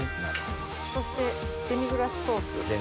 そしてデミグラスソース。